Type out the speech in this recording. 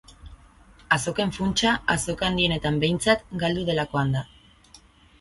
Azoken funtsa, azoka handienetan behintzat, galdu delakoan da.